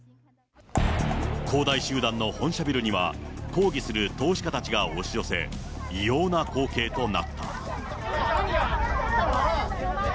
恒大集団の本社ビルには、抗議する投資家たちが押し寄せ、異様な光景となった。